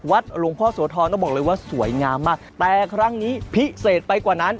หลวงพ่อโสธรต้องบอกเลยว่าสวยงามมากแต่ครั้งนี้พิเศษไปกว่านั้น